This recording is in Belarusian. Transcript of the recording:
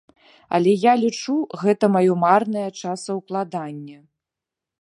Але я лічу, гэта маё марнае часаўкладанне.